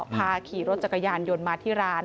พาขี่รถจักรยานยนต์มาที่ร้าน